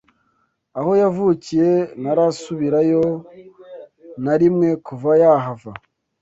aho yavukiye ntarasubirayo narimwe kuva yahava